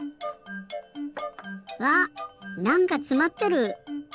わっなんかつまってる！